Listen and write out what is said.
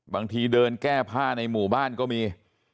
บางทีเดินแก้ผ้าในหมู่บ้านก็มี